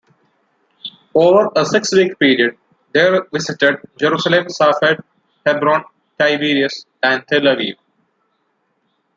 Over a six-week period, they visited Jerusalem, Safed, Hebron, Tiberias and Tel Aviv.